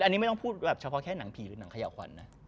อันนี้ไม่ต้องพูดแบบเฉพาะแค่หนังผีหรือหนังเขย่าขวัญนะ